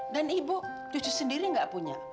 dan ibu cucu sendiri tidak punya